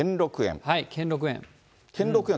兼六園。